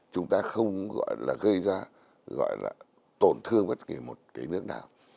chúng ta không gọi là gây ra gọi là tổn thương bất kỳ một cái nước nào